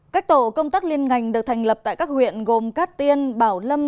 các tổ công tác liên ngành được thành lập tại các huyện gồm cát tiên bảo lâm